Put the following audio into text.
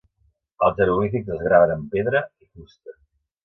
Els jeroglífics es graven en pedra i fusta.